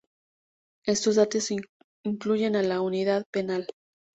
Estos datos incluyen a la Unidad Penal.